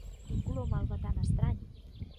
Quin color malva tan estrany!